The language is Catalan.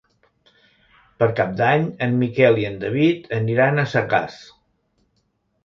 Per Cap d'Any en Miquel i en David aniran a Sagàs.